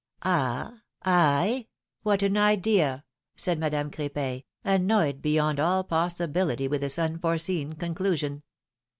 ^^ ^^Ah ! I ! What an idea,'^ said Madame Cr^pin, annoyed beyond all possibility with this unforeseen conclusion.